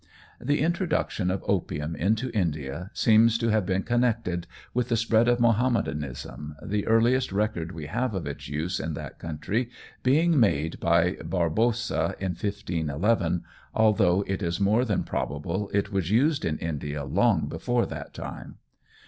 The introduction of opium into India seems to have been connected with the spread of Mahomedanism, the earliest record we have of its use in that country being made by Barbosa in 1511, although it is more than probable it was used in India long before that time.